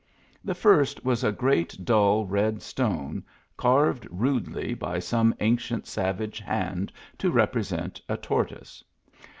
The first was a great dull red stone, carved rudely by some ancient savage hand to represent a tortoise.